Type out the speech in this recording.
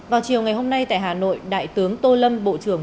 vào chiều ngày hôm nay tại hà nội đại tướng tô lâm bộ trưởng